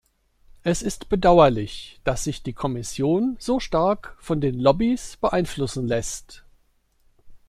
Es ist bedauerlich, dass sich die Kommission so stark von den Lobbies beeinflussen lässt.